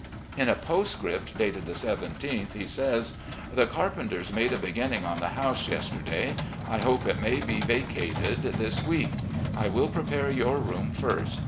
..." In a postscript, dated the 17th, he says: "The carpenters made a beginning on the house yesterday. I hope it may be vacated this week. I will prepare your room first.